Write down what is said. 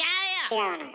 違うのよ。